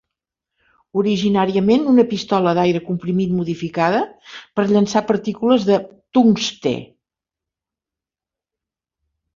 Originàriament una pistola d'aire comprimit modificada per llançar partícules de tungstè.